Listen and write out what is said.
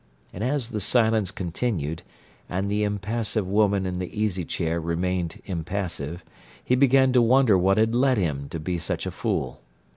And as the silence continued, and the impassive woman in the easy chair remained impassive, he began to wonder what had led him to be such a fool.